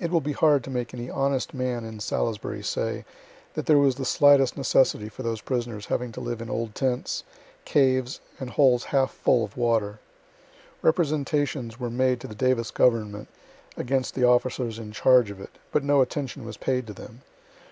It will be hard to make any honest man in Salisbury say that there was the slightest necessity for those prisoners having to live in old tents, caves and holes half full of water. Representations were made to the Davis government against the officers in charge of it, but no attention was paid to them.